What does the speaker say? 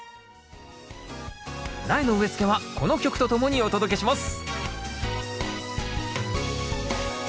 苗の植え付けはこの曲とともにお届けします